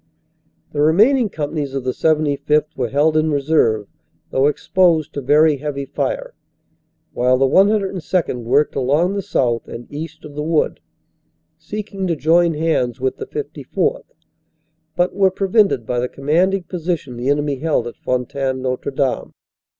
The remaining companies of the 75th. were held in reserve, though exposed to very heavy fire, while the 102nd. worked along the south and east of the wood, seeking to join hands with the 54th., but were prevented by the commanding position the enemy held at Fontaine Notre Dame.